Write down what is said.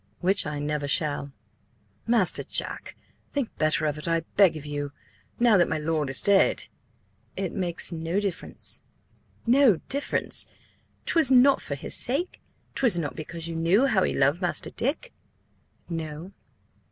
"Which I never shall." "Master Jack, think better of it, I beg of you! Now that my lord is dead—" "It makes no difference." "No difference? 'Twas not for his sake? 'Twas not because you knew how he loved Master Dick?" "No."